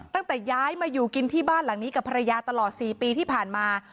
ตั้งแต่ย้ายมาอยู่กินที่บ้านหลังนี้กับภรรยาตลอด๔ปีที่ผ่านมา